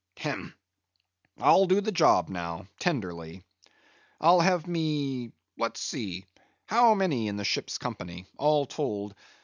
Hem! I'll do the job, now, tenderly. I'll have me—let's see—how many in the ship's company, all told?